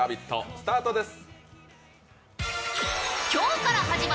スタートです。